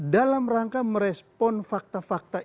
dalam rangka merespon fakta fakta